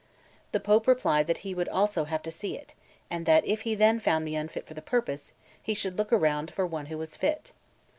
The Pope replied that he would also have to see it, and that if he then found me unfit for the purpose, he should look around for one who was fit.